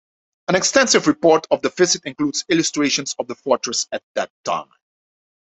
An extensive report of the visit includes illustrations of the fortress at that time.